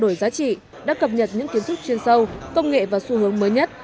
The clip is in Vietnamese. ý kiến trao đổi giá trị đã cập nhật những kiến thức chuyên sâu công nghệ và xu hướng mới nhất